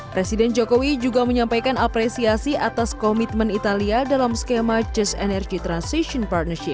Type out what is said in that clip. presiden jokowi juga bertemu dengan pemerintah asean yang dipatuhi oleh dewan periya negeri